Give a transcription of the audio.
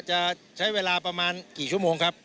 จะใช้เวลาประมาณกี่ชั่วโมงครับ